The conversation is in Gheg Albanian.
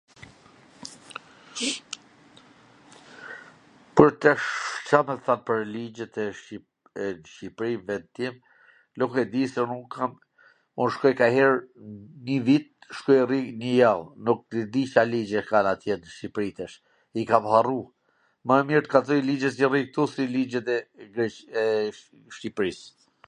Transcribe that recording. Po tash, Ca me t than pwr ligjet e Shqipris, e n Shqipri, ven tim, nuk e di se un kam ... un shkoj kanjher nw nji vit, shkoj rri nji jav, nuk e di Ca ligjesh kan atje n Shqipri tash, i kam harru, ma mir t kallzoj ligjet qw rri ktu si ligjet e Greq... eee ... Shqipris.